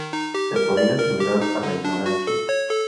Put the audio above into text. Se podía asimilar a la ignorancia.